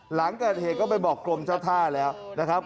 หลังเกิดเหตุก็ไปบอกกรมเจ้าท่าแล้วนะครับ